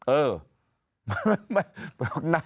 เออ